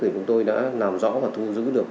chúng tôi đã làm rõ và thu giữ được